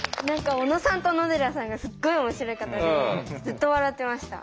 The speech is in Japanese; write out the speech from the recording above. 小野さんと小野寺さんがすっごい面白い方でずっと笑ってました。